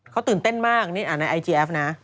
เขาตื่นเต้นมากอันนี้อ่านไอจีแอฟนะ